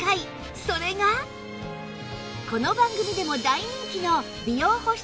この番組でも大人気の美容保湿